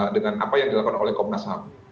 dengan apa yang dilakukan oleh komunasab